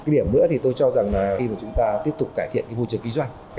điểm nữa thì tôi cho rằng khi chúng ta tiếp tục cải thiện môi trường kinh doanh